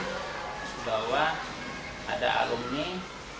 bahwa ada alumni bisa menjadi menang kepresiden